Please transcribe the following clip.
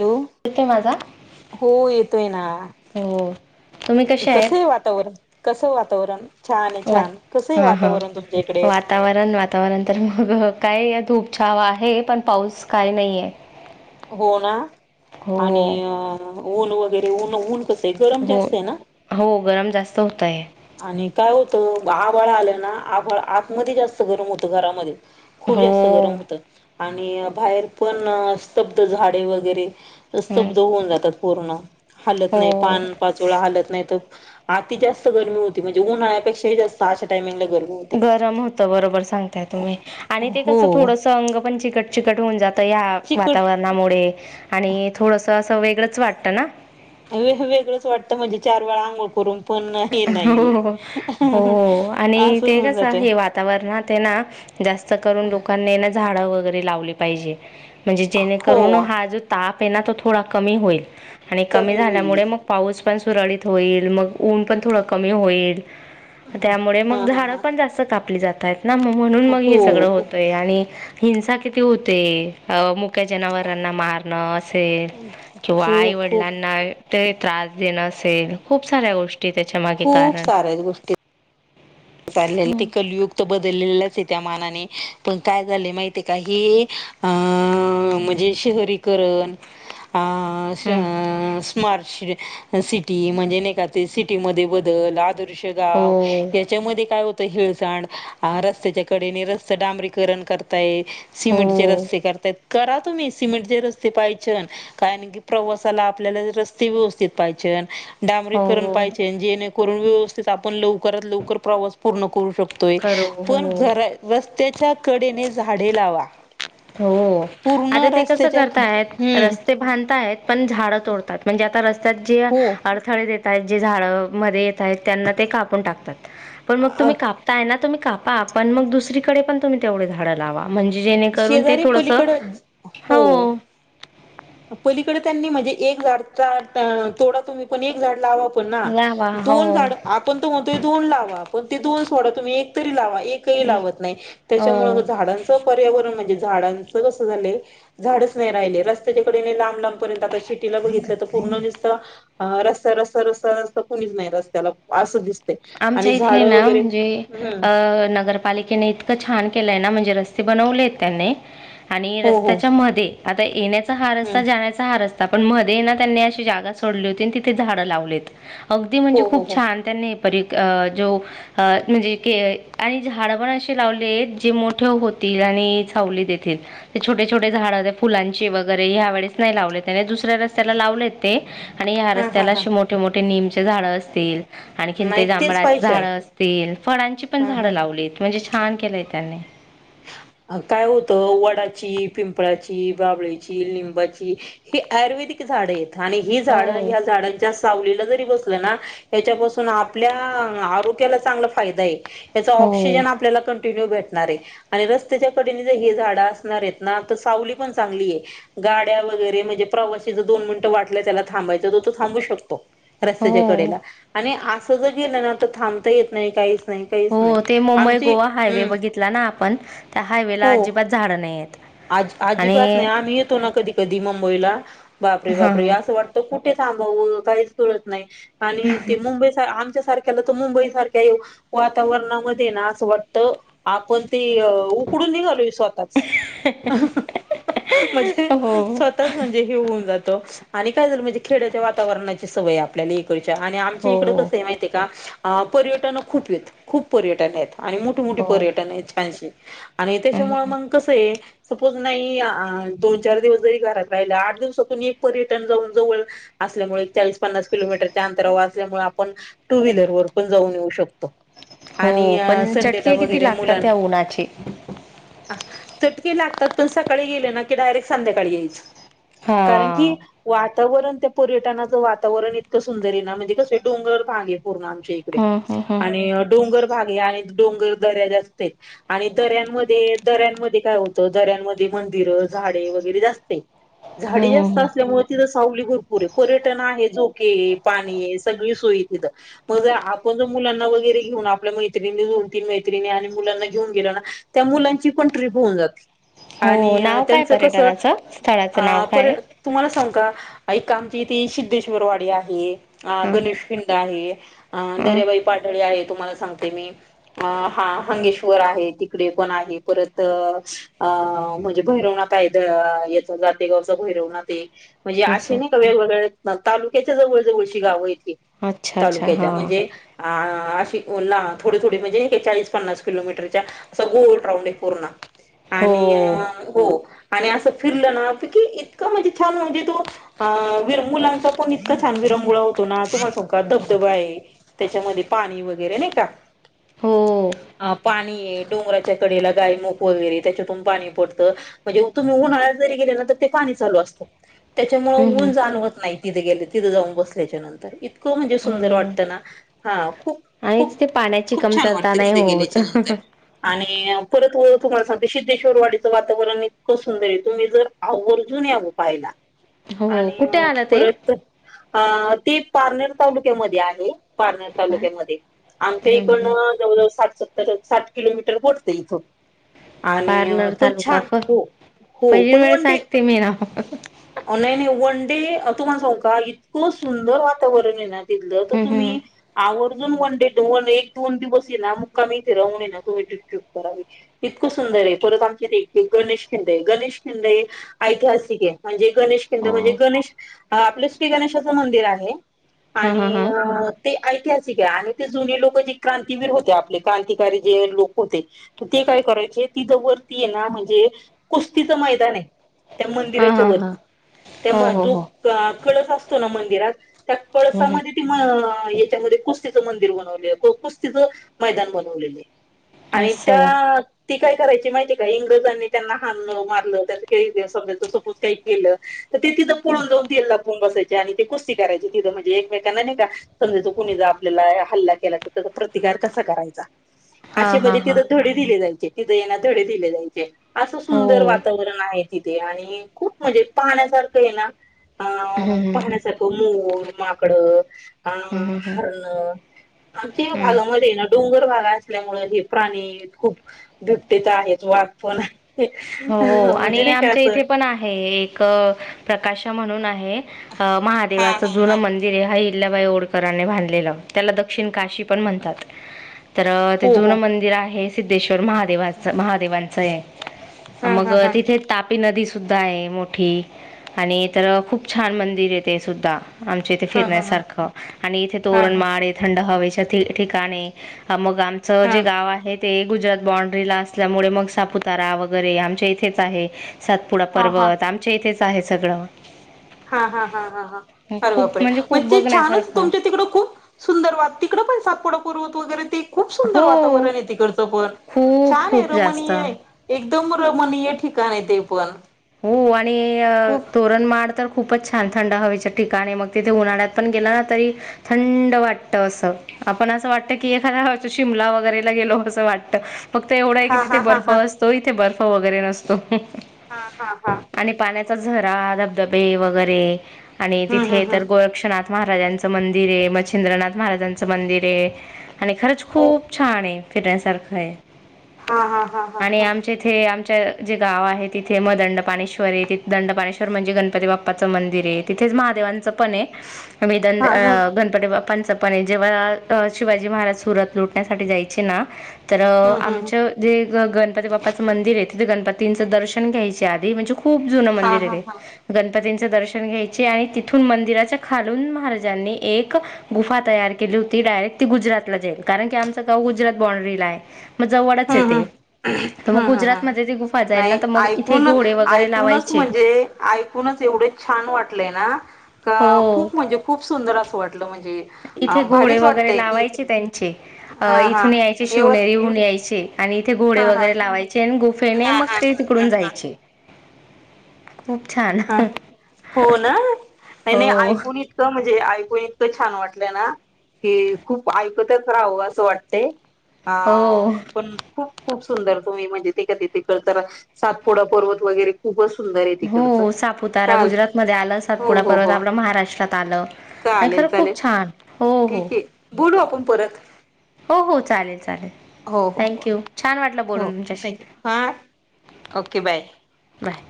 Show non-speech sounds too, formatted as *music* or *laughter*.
Hello येतय माझा हो येतोय ना हो तुम्ही कशा कस आहेत? आहे वातावरण कसं वातावरण छान वा छान कसं हा हा वातावरण तुमच्या इकडे वातावरण वातावरण तर मग काय धूपछावा आहे पण पाऊस काय नाही आहे हो ना आणि ऊन वगैरे ऊन ऊन कसं आहे गरम हो जास्त आहे ना हो गरम जास्त होत आहे आणि काय होतं आभळ आलं ना आभ आतमध्ये जास्त गरम होतं घरामध्ये खूप हो जास्त गरम होत आणि बाहेर पण स्तब्ध झाडे वगैरे हम्म स्तब्ध होऊन जातात कोरोना हलत नाही हो पान पाचोळा हालत नाही तर आति जास्त गरमी होती म्हणजे उन्हाळ्यापेक्षाही जास्त अशामिंग ला गरम होत बरोबर सांगताय तुम्ही आणि ते कसं हो थोडस अंग पण चिकट चिकट होऊन जात या चिकट वातावरणामुळे आणि थोडस असं वेगळंच वाटत ना वेगळंच वाटतं म्हणजे चार वेळा आंघोळ करून पण हे हो नाहीये. हो हो हो आणि असं ते होऊन कस जात हे वातावरणात ना जास्त जास्त करून लोकांनी ना झाडं वगैरे झाडे लावले पाहिजे म्हणजे जेने करून हो हा जो ताप आहे ना तो थोडा कमी होईल. आणि कमी झाल्यामुळे मग पाऊस पण सुरळीत होईल. मग ऊन पण थोडं कमी होईल. त्यामुळे हा मग हा झाड हा पण जास्त कापली जातात वर ना म्हणून हो मग हे सगळं हो होतंय आणि हिंसा किती होतेय. अ मुख्या जनावरांना मारणं असेल किंवा खूप खूप आईवडिलांना ते त्रास देणं असेल खूप साऱ्या गोष्टी. त्याच्या मागे खूप कारण साऱ्या गोष्टी. चालले ते हम्म. कलयुग बदलेलं ते त्या मानाने पण काय झालं माहितीये का हे अं म्हणजे शहरीकरण अ हम्म. *unintelligible* स्मार्ट सिटी म्हणजे नाही का ते सिटीमध्ये बदल आदर्श गाव हो. याच्यामध्ये काय होतं हेळसांड रस्त्याच्या कडे रस्त डांबरीकरण करताय. हो. सिमेंटचे हो. रस्ते करतायेत. करा तुम्ही सिमेटचे रस्ते पाहिजे कारण की प्रवासाला आपल्याला रस्ते व्यवस्थित पाहिजे. डांबरीकरण हो पाहिजे जेणेकरून व्यवस्थित आपण लवकरात लवकर प्रवास पूर्ण करू शकतो खरं. पण हो. खर आहे रस्ते च्या कडेने झाडे लावा. हो पूर्ण आता ते कसं रस्त्याच्या करताय हम्म रस्ते बांधताय पण झाडं तोडतात म्हणजे आता रस्ता जे हो अडथळे देतायेत जे झाड मध्ये त्यांना ते कापून टाकतात पण मग अ तुम्ही कापताय तर कापा पण मग दुसरीकडे पण तुम्ही तेवढे झाडं लावा म्हणजे जेणेकरून ते शेजारी थोडसं पलीकड हो पलीकडे म्हणजे एक झाड तोडा पण तुम्ही पण एक झाड लावा. लावा हो. दोन झाड आपण म्हणतोय दोन लावा आपण ते दोन सोडा तुम्ही एक तरी लावा. एकही लावत नाही त्याच्यामुळे हो. झाडा झाडांचा कसा झाला म्हणजे झाडच नाही राहिले रस्त्याच्या कडेने आता लांब लांब दिसले तर पूर्ण दिसत रस्ता रस्ता रस्ता रस्ता कोणीच नाही रस्त्याला अस दिसत. आमच्या इथे ना म्हणजे हम्म अ नगरपालिकेने इतकं छान केलंय ना म्हणजे रस्ते बनवले त्यांनी आणि हो हो रस्त्याच्या मधे आता येण्याच्या हा हम्म रस्ता जाण्याचा आहे रस्ता पण मध्ये ना त्यांनी अ जागा सोडली होती तिथे झाड लावलेत. अगदी हो म्हणजे हो खूप हो छान त्यांनी. जो म्हणजे आणि झाड पण असे लावलेत आहेत जे मोठे होतात. आणि सावली देतील ते छोटे छोटे झाड फुलांचे वगैरे ह्या वेळेस नाही लावले त्या दुसऱ्या, दुसऱ्या रस्त्याला लावले ते आणि ह्या हा हा रस्त्याला हा अशे मोठे मोठे निमचे झाड असतील. ती नाही तेच जांभळाची पाहिजे झाड असतील फळांची पण हा हा झाडं लावलीत म्हणजे छान केलंय त्यांनी. *inaudible* काय होत वडाची, पिंपळाची, बाबळीची, लिंबाची हि आयुर्वेदिक झाड आणि ही झाड हो या झाडांच्या सावलीला जरी बसलं ना याच्यापासून आपल्या आरोग्याला चांगला फायदा आहे. याचा हो ऑक्सिजन आपल्याला कंटिन्यू भेटणार आहे. आणि रस्त्याच्या कडेने जर हे झाडं असणार आहेत ना तर सावली पण चांगली आहे गाड्या वगैरे म्हणजे प्रवाशी ला जर दोन मिनटं वाटलं त्याला थांबायचं तो थांबू शकतो. रस्त्याच्या हो कडेला आणि असं जर गेलं ना तर थांबता येत नाही काही. हो ते मुंबई गोवा हायवे बघितला ना आपण त्या हायवे ला हो अजिबात झाडं नाही आहेत. आज अजीबात आणि नाही आम्ही येतो ना कधी कधी मुंबईला बापरे बापरे हां असं वाटतं कुठ ठ थांब काही कळत नाही आणि ते मुंबई *unintelligible* आमच्यासारख्या ला तर मुंबई सारख्या वातावरणामध्ये ना असं वाटत आपण. ती उकडून निघालो स्वतःच. म्हणजे हो स्वतःच म्हणजे हे होऊन जाते काय झा म्हणजे खेड्याच्या वातावरणाची सवय आपल्याला आणि आमच्या हो इकड कस माहिती आहे का पर्यटन खूप आहेत खूप पर्यटन आहेत आणि मोठे मोठे हो पर्यटन आहेत छानशी आणि त्याच्यामुळे हम्म. मग कसं आहे सपोज नाही दोन चार दिवस जरी घरात राहिला आठ दिवसातून एक पर्यटन जाऊन जवळ असल्यामुळे चाळीस पन्नास किलोमीटरच्या अंतरावर असल्यामुळे आपण टू व्हीलर वर पण जाऊन येऊ शकतो हो आणि पण संडेला चटके किती वगैरे लागतात मुलां त्या उन्हाचे. चटके पण सकाळी गे क डायरे संध्याकाळी हा. कारण क वातावरण त्या पर्यटनाचं वातावरण इतकं सुंदर आहे ना म्हणजे कसे डोंगर भाग आहे पूर्ण आमच्या इकडे हम्म हम्म हम्म आणि डोंगर गे आणि डोंगर दर्या असत आणि दऱ्यांमध्ये दऱ्यांमध्ये काय होतं दऱ्यांमध्ये मंदिरं झाडे वगैरे जास्त झाडे हम्म हम्म जास्त हम्म. असल्यामुळे तिथं सावली भरपूर आहे पर्यटन आहे जो पा सग सोय तथ मगर आपण ज मुलांना वगरे घेऊन आपल्या मै दोन तीन मैत्रिणी आणि मुलांना घेऊन गेल ना त्या मुलांची पण ट्रीप होऊन जाते हो आणि नाव काय त्यांचं कस पर्यटनाचं स्थळाचं नाव अ काय? तुम्हाला सांग का एक आमची ती सिद्धेश्वर वाडी आहे अ हा गणेश खिंड आहे हा दरेबाई पाटळी आहेत तुम्हाला सांगते मी हा हंगेश्वर आहे तिकडे पण आहे परत तर अ म्हणजे भैरवणा कायदा याचा जाते गावच भैरवणा ते म्हणजे अशी असं नाही का वेगवेग्या तालुक्याच्या जवळ जवळशी गावं अच्छा अच्छा हा तालुक्याच्या म्हणजे अ अशी ना थोडे थोडे म्हणजे चाळीस पन्नास किलोमीटरच्या असा गोल राऊंड आहे पूर्ण हो. आणि हो आणि असं फिरलं ना पैकी इतका म्हणजे छान म्हणजे तोर मुलांचा पण इतका छान छानविरंगोळा होतो ना तुम्हाला स का बधबा आहे त्याच्यामध्ये पाणी वगैरे नाही का हो अ पाणी आहे डोंगराच्या कडेला गाय मक वगैरे त्याच्यातून पाणी पडतं म्हणजे तुम्ही उन्हाळ्यात जरी गेले ना तर ते पाणी चालू असत त्याच्यामु हम्म हम्म ऊन जाणवत नाही तिथे गेले तिथं जाऊन बसल्याच्या नंतर इतकं म्हणजे सुंदर हो वाटतं ना हा खूप आणि खूप तिथे पाण्याची खूप छान कमतरता वाटतं नाही तिथे होत. गेल्याच्या नंतर आणि परत तुम्हाला सांगते सिद्धेश्वरवाडीचं वातावरण इतकं सुंदर आहे तुम्ही जर आवर्जून यावं पाहायला हो आणि कुठे आलं ते? परत अ ती पारनेर तालुक्यामध्ये आहे पारनेर तालुक्यामध्ये आमच्या इकड जवळजवळ सात सत्तर साठ किलोमीटर बडते इथं आणि पारनेर तू तालुका छान फ होू हो पहिली पण वेळेस वन ऐकते मी नाव. ऑनलाईन वन तुमला सग का इतकं सुंदर वातावरण आहे ना तथलं तर हम्म हम्म तुम्ही आ अजून वन डेोन एक दोन दिवस ये ना मुक्काम इथे राहून ये ना तु्हीपप करावी इतकं सुंदर आहे परत आमच्या गणेश खिंड गणेश खिंड ऐतिहासिक आहे म्हणजे गणेश केंद्र हो म्हणजे गणेश आपलं श्री गणेशाचं मंदिर आहे हा हा आणि हा ते ऐतिहासिक आहे आणि ते जुने लोक जे क्रांतीवीर होते आपले क्रांतिकारी जे लोक होते ते काय करायचे तिथं वरती ये ना म्हणजे कुस्तीचं मैदान आहे त्या हा मंदिराच्या हा हा. वरती त्या हो म हो जो हो कळस असतो ना मंदिरात त्या हम्म कळसामध्ये हम्म त म याच्यामध्ये कुस्तीचं मंदिर बनवले कुस्तीचं मैदान बनवलेलं आहे असं त्या ती काय करायची मा कानी त्यांना मज का के तर तिथ पुळून जाऊन ति लापून बसायचे आणि ते कुस्ती करायची तिथं म्हणजे एकमेकांना नाही का समजाचो कुणी जा आपल्याला हल्ला केला तर त्याचा प्रतिकार कसा करायचा हा हा हा ध दिले जायचे ति येना धडे दिले जायचे असं हो सुंदर वातावरण नाही तिथे आणि खूप म्हणजे पाहण्यासारखं आहे ना हम्म अं हम्म पाहण्यासारखं मोर माकडं अ हम्म हम्म हम्म हरण आमच्या हम्म भागामध्ये ना डोंगर भाग असल्यामुळे हे प्राणी खूप बुबट्याच आहेत वाघ पण हो म्हणजे आणि नाही का आमच्या असं इथे पण आहे एक प्रकाश म्हणून आहे महादेवाच जु मंदिर हा बाई ओडकरांने भांधलेलं त्याला दक्षिण काशी म्हणतात तर हो ज हो मंदिर आहे सिद्धेश्वर महादेवा महादेवांच आहे हा मग हा हा तिथे तापी नदी सुद्धा आहे मोठी आणि तर खूप छान मंदिर आहे ते सुद्धा आमच्या इथे हा हा हा फिरण्यासारखं आणि इथे तोरण हा माळे थंड हवेच्या ठिकाणे मग आमचं हा जे गाव आहे ते गुजरात बांड्री ला असल्यामुळे मग सापुतारा आव वगैरे आमच्या इथेच आहे सातपुडा हा हा पर्वत आमच्या इथेच आहे सगळं हा हा हा ह हा अरे वापर खूप आहे म्हणजे मण खूप ते छानच बघण्यासारखं तुमच्या तिकडं खूप सुंदर वा तिकड पण सातपडारव वगैे ते खूप सुंदर हो वातावरण आहे तिकडचं पण खूप छान आहे खूप जास्त रमणीय एक उदमरमनी या ठिकाण आहे ते पण हो आणि खूप तोरण माड तर खूपच छान थंड हवेच्या ठिकाणी मग तिथे उन्हाळ्यात पण गेला ना तरी थंड वाटत असं आपण असं वाटतं की एखाद्या वच शिमला वगैरेला गेलो असं वाटतं फक्त एवढा आहे की हा तिथे हा हा बर्फ हा असतो इथे बर्फ वगैरे नसतो हा हा हा आणि पाण्याचा झरा धबधबे वगैरे आणि हम्म तिथे हम्म हम्म तर गोरक्षनाथ महाराजांचं मंदिर आहे मच्छिंद्रनाथ महाराजांचं मंदिर आहे आणि खरंच हो खूप छान आहे फिटण्यास सारखं आहे हा हा हा हा आणि आमच्या इथे आमच्या जे गाव आहेत तिथे मग दंडपाणेश्वर आहे तिथ दंडपाणेश्वर म्हणजे गणपती बाप्पाचं मंदिर आहे तिथेच महादेवांचं पण आहे द हा हा गणपती बा्प प जेव्हा शिवाजी महाराज सुरत लुटण्यासाठी जायचे ना तर हम्म हम्म आमचं जे ग गणपती बाप्पाचं मंदिर आहे तिथे गणपतींचं दर्शन घ्यायचे आधी म्हणजे खूप जु हा मंदिर हा आहे हा र गणपतीच दर्शन घ्यायचे आणि तिथून मंदिराच्या खालून महाराजांनी एक गुफा तयार केली डायरेक्टी गुरातला जाईल कारणी आमच गाव गुजरात बंडला मग जवळच य हम्म ते हम्म तर मग गुजरातमध्येध्ये ती गुफा जाईल ना तर मग इथे ण घोडे वगैरे ऐकूनच लावायचे म्हणजे ऐकूनच एवढे छान वाटलेय ना अ हो खूप म्हणजे खूप सुंदर असं वाटलं म्हणजे अ इथे घोडे भारीच वगैरे वाटतय की लावायचे त्यांचे अ हा हा इथून यायचे एव शिवनेरीहन यायचे आणि इथे हा घोडे हा वगैरे लावायचे आणि गोफेने हा मग हा ते ह तिकडून ह जायचे खूप छान ह हो ना नाही नाही हो ऐकून इतकं म्हणजे इतकं छान वाटलं ना की खूप ऐकतच राहावं असं वाटत अ हो पण खूप खूप सुंदर तुम्ही म्हणजे तेध त कत सातपोडा पर्वत वगैरे खूपच सुंदर आहे तिकड हो सापुतारा गुजरात मध्ये आलं सातपुडा हो पर्वत हो आपलं महाराष्ट्रात आलं आणि चालेल खरं खूप चालेल छान हो हो ठीक आहे बोलू आपण परत हो हो चालेल चालेल हो हो हो थँक्यू छान वाटलं हो बोलून तुमच्याशी थँक्यू हां ओके बाय बाय